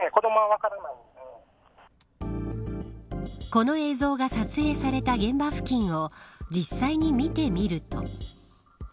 この映像が撮影された現場付近を実際に見てみると。